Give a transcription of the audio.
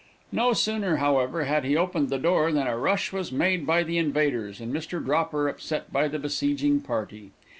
No sooner, however, had he opened the door, than a rush was made by the invaders, and Mr. Dropper upset by the besieging party.